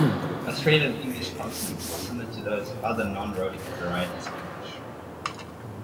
Australian English consonants are similar to those of other non-rhotic varieties of English.